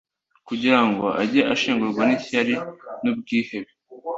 kugira ngo ajye ashengurwa n'ishyari n'ubwihebe